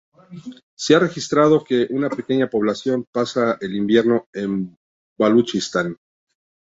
Se ha registrado que una pequeña población pasa el invierno en Baluchistán.